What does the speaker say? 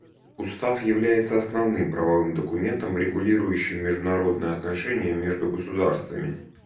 Устав является основным правовым документом, регулирующим международные отношения между государствами.